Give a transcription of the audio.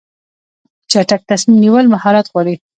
چټک تصمیم نیول مهارت غواړي.